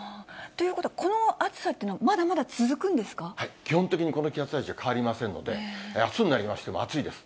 ということは、この暑さって基本的にこの気圧配置は変わりませんので、あすになりましても暑いです。